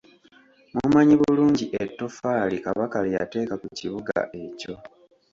Mumanyi bulungi ettoffaali Kabaka lye yateeka ku kibuga ekyo.